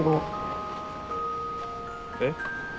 えっ？